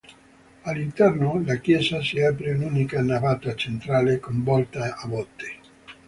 All'interno, la chiesa si apre un'unica navata centrale, con volta a botte.